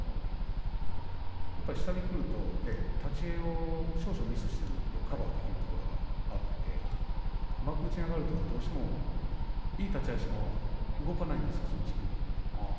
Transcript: やっぱり下にくると立ち合いを少々ミスしてもカバーできるところがあって幕内に上がると、どうしてもいい立ち合いをしても軸が動かないんです。